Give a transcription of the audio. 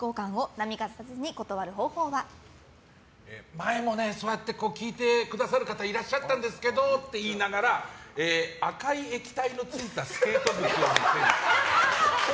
前もねそうやって聞いてくださる方いらっしゃったんですけどって言いながら赤い液体のついたスケート靴を見せる。